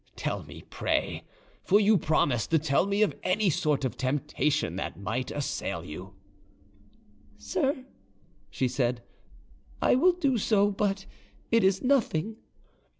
Tell me, pray; for you promised to tell me of any sort of temptation that might assail you." "Sir," she said, "I will do so, but it is nothing."